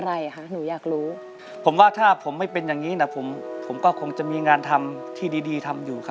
มีมั้ยฮะลองสักหน่อยมั้ยล่ะ